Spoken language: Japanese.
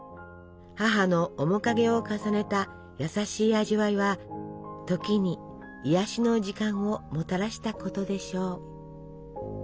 母の面影を重ねた優しい味わいは時に癒やしの時間をもたらしたことでしょう。